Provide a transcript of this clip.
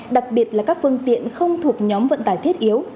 đặc biệt là các phương tiện không thuộc nhóm vận tải thiết yếu